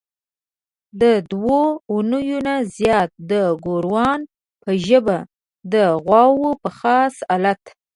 د دوو اونیو نه زیات د ګوروان په ژبه د غواوو په خاص الت.